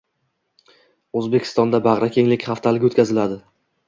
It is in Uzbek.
O‘zbekistonda “bag‘rikenglik haftaligi” o‘tkaziladi